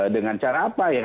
dengan cara apa ya